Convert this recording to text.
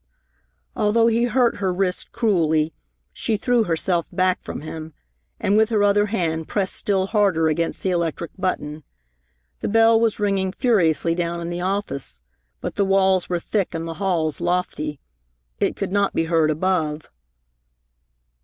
Although he hurt her wrist cruelly, she threw herself back from him and with her other hand pressed still harder against the electric button. The bell was ringing furiously down in the office, but the walls were thick and the halls lofty. It could not be heard above.